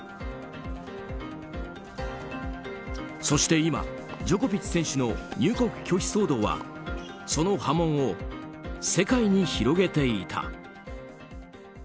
そして今、ジョコビッチ選手の入国拒否騒動はその波紋を世界に広げていた。